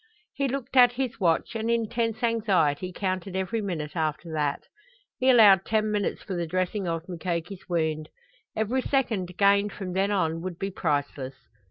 He looked at his watch and in tense anxiety counted every minute after that. He allowed ten minutes for the dressing of Mukoki's wound. Every second gained from then on would be priceless.